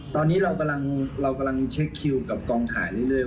ตอนนี้เรากำลังเช็คคิวกับกองถ่ายเรื่อย